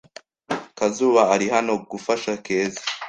Kazuba ari hano gufasha Keza.